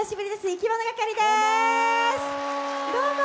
いきものがかりです。